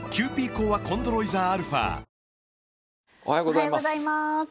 おはようございます。